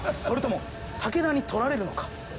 それとも武田に取られるのか。